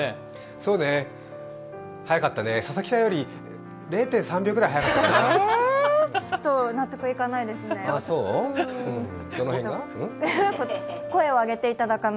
そうね、早かったね、佐々木さんより０．３秒くらい早かったかな。